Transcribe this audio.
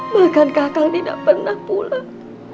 bahkan kakak tidak pernah pulang